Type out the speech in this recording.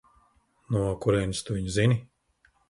No kurienes tu viņu zini?